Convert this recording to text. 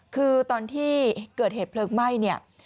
คือตอนที่เกิดเหตุเพลิงไหม้เนี่ย